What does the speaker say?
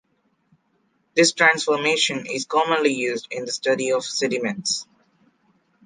This transformation is commonly used in the study of sediments.